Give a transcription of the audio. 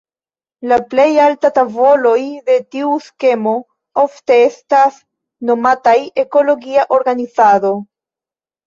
La plej altaj tavoloj de tiu skemo ofte estas nomataj "ekologia organizado".